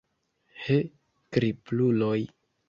He, kripluloj!